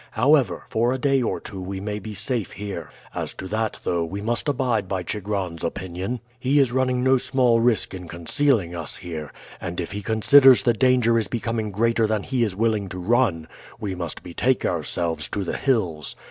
However, for a day or two we may be safe here. As to that, though, we must abide by Chigron's opinion. He is running no small risk in concealing us here, and if he considers the danger is becoming greater than he is willing to run, we must betake ourselves to the hills.